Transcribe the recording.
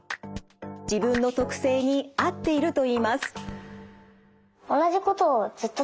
自分の特性に合っているといいます。